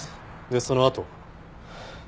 でそのあとは？